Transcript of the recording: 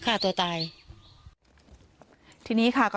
นางศรีพรายดาเสียยุ๕๑ปี